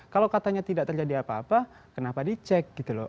kalau katanya tidak terjadi apa apa kenapa dicek gitu loh